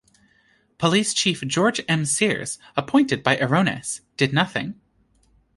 Police Chief George M. Sears, appointed by Irones, did nothing.